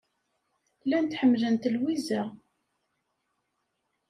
Llant ḥemmlent Lwiza.